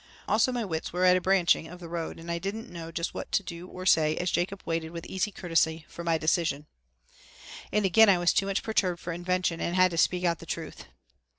Also my wits were at a branching of the road and I didn't know just what to do or say as Jacob waited with easy courtesy for my decision. And again I was too much perturbed for invention and had to speak out the truth.